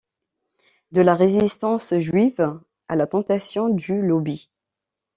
De la Résistance juive à la tentation du lobby.